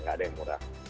gak ada yang murah